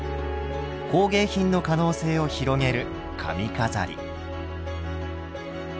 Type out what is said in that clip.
工芸品の可能性を広げる髪飾り。